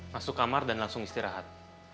masuk kamar dan langsung istirahat